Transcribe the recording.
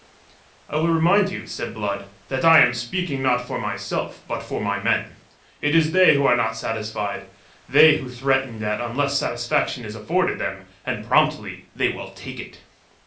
"I will remind you," said Blood, "that I am speaking not for myself, but for my men. It is they who are not satisfied, they who threaten that unless satisfaction is afforded them, and promptly, they will take it."